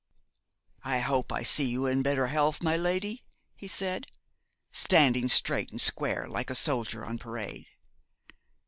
'I hope I see you in better health, my lady,' he said, standing straight and square, like a soldier on parade.